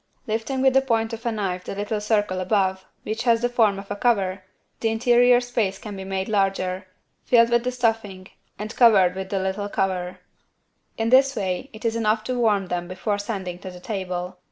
Lifting with the point of a knife the little circle above, which has the form of a cover, the interior space can be made larger, filled with the stuffing and covered with the little cover. In this way it is enough to warm them before sending to the table.